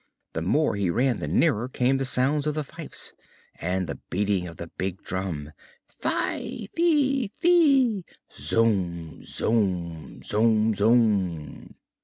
The more he ran the nearer came the sounds of the fifes and the beating of the big drum: Fi fi fi; zum, zum, zum, zum.